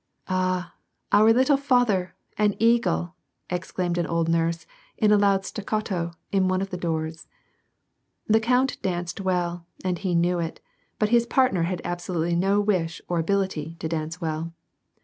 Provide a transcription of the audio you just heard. " Oh ! our little father 1 an eagle !" exclaimed an old nurse, in a loud staccato, in one of the doors. The count danced well, and he knew it, but his partner had absolutely no wish or ability to dance well.